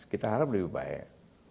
kita harap lebih baik